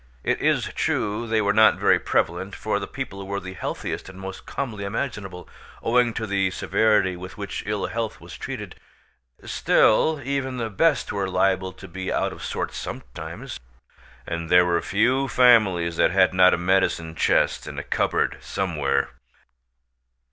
It is true they were not very prevalent, for the people were the healthiest and most comely imaginable, owing to the severity with which ill health was treated; still, even the best were liable to be out of sorts sometimes, and there were few families that had not a medicine chest in a cupboard somewhere.